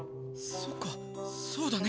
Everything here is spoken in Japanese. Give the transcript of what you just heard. そっかそうだね。